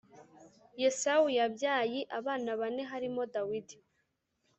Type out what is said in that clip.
yesawu yabyayi abana bane harimo dawidi